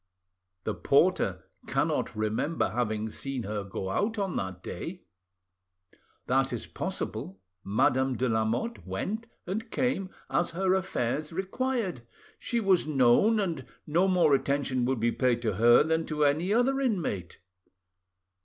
"The porter cannot remember having seen her go out on that day." "That is possible. Madame de Lamotte went and came as her affairs required. She was known, and no more attention would be paid to her than to any other inmate."